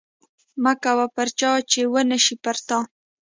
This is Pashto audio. مه کوه پر چا چې ونشي پر تا